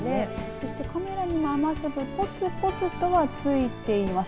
そしてカメラにも雨粒ポツポツとは、ついています。